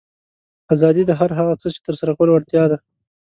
آزادي د هر هغه څه ترسره کولو وړتیا ده.